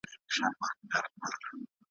د هندوستان د پښتنو په اړه يې